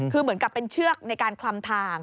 คือเหมือนกับเป็นเชือกในการคลำทาง